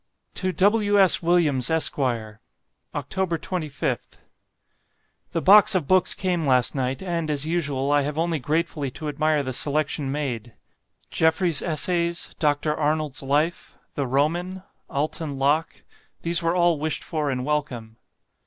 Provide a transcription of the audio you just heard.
To W. S. WILLIAMS, ESQ. "Oct. 25th. "The box of books came last night, and, as usual, I have only gratefully to admire the selection made: 'Jeffrey's Essays,' 'Dr. Arnold's Life,' 'The Roman,' 'Alton Loche,' these were all wished for and welcome.